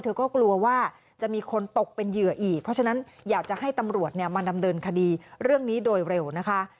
เธอก็กลัวว่าจะมีคนตกเป็นเหยื่ออีกเพราะฉะนั้นอยากจะให้ตำรวจมาดำเนินคดีเรื่องนี้โดยเร็วนะคะ